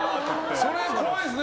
それ、怖いですね。